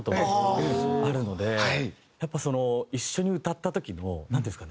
やっぱ一緒に歌った時のなんていうんですかね